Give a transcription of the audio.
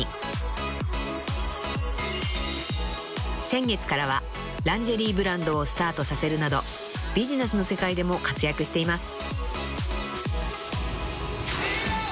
［先月からはランジェリーブランドをスタートさせるなどビジネスの世界でも活躍しています］